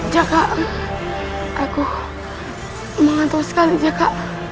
jaka aku menghantui sekali jaka